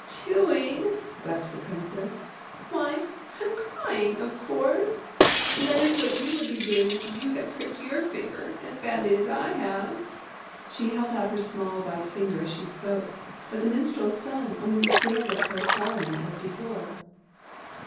'' Doing !'' wept the Princess. " Why, I am crying, of course ! That is what you would be doing if you had pricked your finger as badly as I have." She held out her small white finger as she spoke, but the minstrel's son only stared at her as solemnly as before.